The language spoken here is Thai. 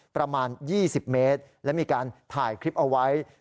ประมาณ๒๐เมตรและมีการถ่ายคลิปเอาไว้